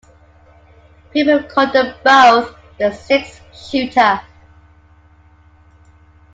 People call them both "the Six Shooter".